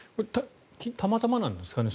たまたまなんですかね